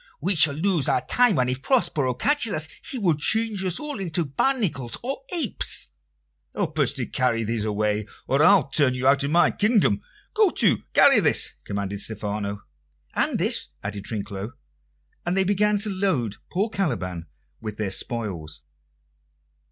"We shall lose our time, and if Prospero catches us, he will change us all into barnacles or apes." "Help us to carry these away, or I'll turn you out of my kingdom. Go to, carry this!" commanded Stephano. "And this," added Trinculo; and they began to load poor Caliban with their spoils.